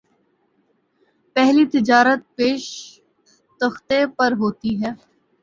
پہلی تجارت بیشتختے پر ہوتی ہے